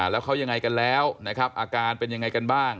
แล้วเขายังไงกันแล้วนะครับอาการเป็นยังไงกันบ้าง